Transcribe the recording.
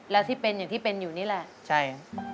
แล้วที่เป็นอย่างที่เป็นอยู่นี่แหละใช่